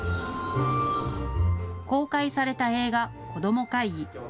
公開された映画、こどもかいぎ。